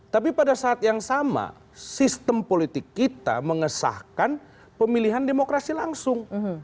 tapi pada saat yang sama sistem politik kita mengesahkan pemilihan demokrasi langsung